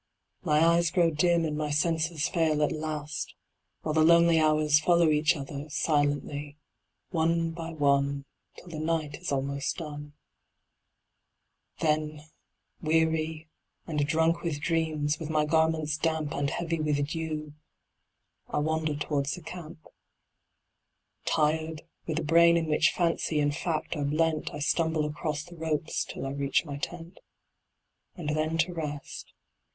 My eyes grow dim and my senses fail at last, While the lonely hours Follow each other, silently, one by one, Till the night is almost done. Then weary, and drunk with dreams, with my garments damp And heavy with dew, I wander towards the camp. Tired, with a brain in which fancy and fact are blent, I stumble across the ropes till I reach my tent And then to rest.